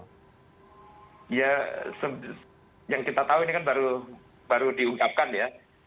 ya yang kita tahu ini kan baru diungkapkan ya